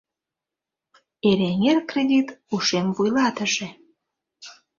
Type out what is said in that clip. Эреҥер кредит ушем вуйлатыше...